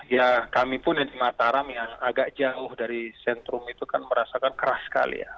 ya kami pun yang di mataram yang agak jauh dari sentrum itu kan merasakan keras sekali ya